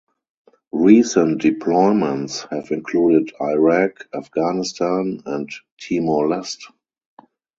Recent deployments have included Iraq, Afghanistan and Timor Leste.